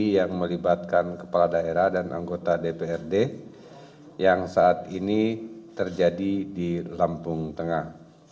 yang melibatkan kepala daerah dan anggota dprd yang saat ini terjadi di lampung tengah